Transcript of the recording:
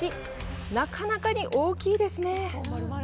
なかなかに大きいですね。